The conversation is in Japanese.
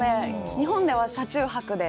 日本では車中泊で。